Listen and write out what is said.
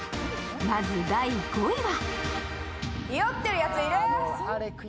まず第５位は。